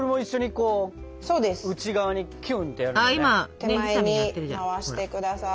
手前に回してください。